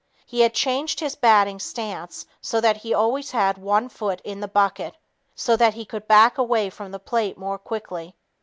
He had changed his batting stance so that he always had "one foot in the bucket" so that he could back away from the plate more quickly.